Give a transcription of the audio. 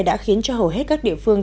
đã khiến cho hầu hết các địa phương